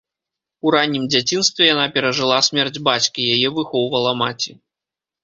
У раннім дзяцінстве яна перажыла смерць бацькі, яе выхоўвала маці.